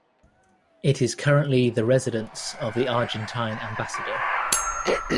It is currently the residence of the Argentine Ambassador.